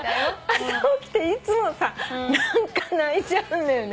朝起きていつもさ何か泣いちゃうんだよね。